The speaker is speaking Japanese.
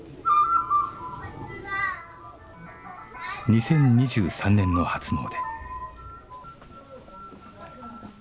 ２０２３年の初詣